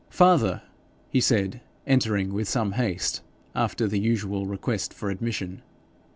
'Father!' he said, entering with some haste after the usual request for admission.